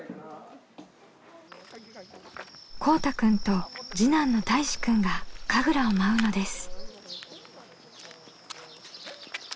こうたくんと次男のたいしくんが神楽を舞うのです。